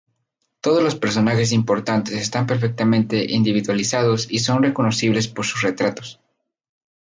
Todos los personajes importantes están perfectamente individualizados y son reconocibles por sus retratos.